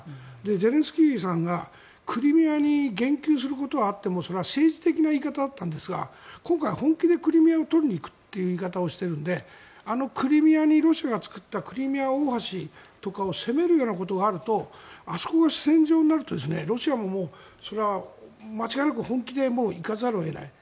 ゼレンスキーさんがクリミアに言及することはあってもそれは政治的な言い方だったんですが今回は本気でクリミアを取りに行くという言い方をしているんであのクリミアに、ロシアが作ったクリミア大橋とかを攻めるようなことがあるとあそこが主戦場になるとロシアも間違いなくもう本気で行かざるを得ない。